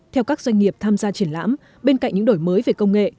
theo các doanh nghiệp tham gia triển lãm bên cạnh những đổi mới về công nghệ